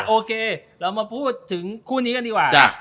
โอเคเรามาพูดถึงคู่นี้กันดีกว่า